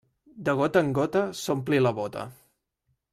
De gota en gota s'ompli la bóta.